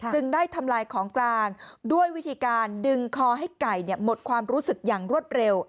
จึงได้ทำลายของกลางด้วยวิธีการดึงคอให้ไก่หมดความรู้สึกอย่างรวดเร็ว